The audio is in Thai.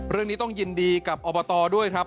เรื่องนี้ต้องยินดีกับอบตด้วยครับ